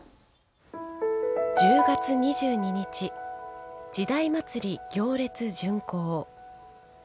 １０月２２日、時代祭行列巡行。